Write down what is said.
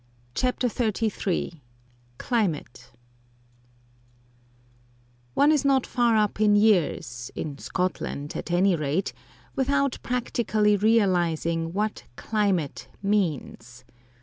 CHAPTER XXXIII CLIMATE One is not far up in years, in Scotland at any rate, without practically realising what climate means.